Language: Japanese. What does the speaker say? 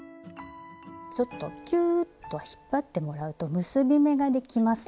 ちょっとキューッと引っ張ってもらうと結び目ができます。